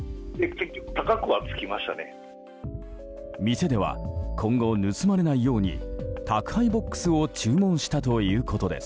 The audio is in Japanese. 店では今後、盗まれないように宅配ボックスを注文したということです。